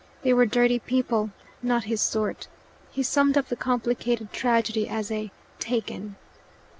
They were dirty people, not his sort. He summed up the complicated tragedy as a "take in."